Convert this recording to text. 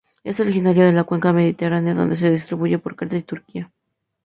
Es originaria de la cuenca mediterránea donde se distribuye por Creta y Turquía.